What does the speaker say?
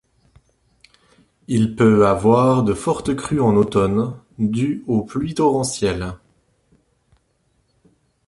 Il peut avoir de fortes crues en automne, dues aux pluies torrentielles.